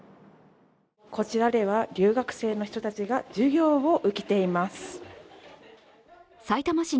こちらでは留学生の人たちが授業を受けています。